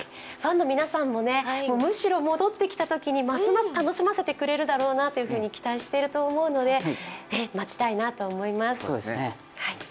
ファンの皆さんもむしろ戻ってきたときにますます楽しませてくれるだろうなと期待していると思うので、待ちたいなと思います。